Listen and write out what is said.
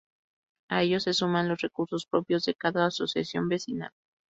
A ello se suman los recursos propios de cada asociación vecinal.